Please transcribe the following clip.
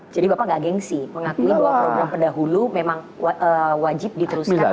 jadi bapak nggak gengsi mengakui bahwa program pendahulu memang wajib diteruskan